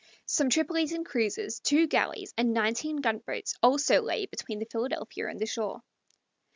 Some Tripolitan cruisers, two galleys, and nineteen gunboats also lay between the Philadelphia and the shore.